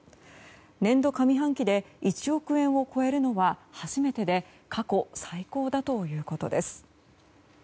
年度上半期で１億円を超えるのは初めてで過去最高だということです。